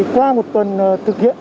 qua một tuần thực hiện